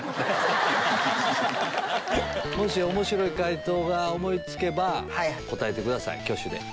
もし面白い回答が思い付けば答えてください挙手で。